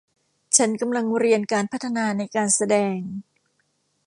ฉันกำลังเรียนการพัฒนาในการแสดง